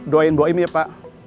doain boeing ya pak